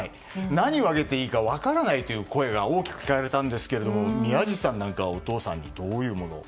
何をあげていいか分からないという声が多く聞かれたんですが宮司さんはお父さんにどういうのを？